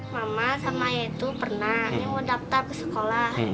mama sama ayah itu pernah ini mau daftar ke sekolah